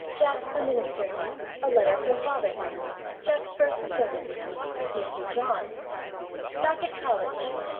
Jack a minister. A letter from father. Jack's first sermon. "Mr. John." Back at college.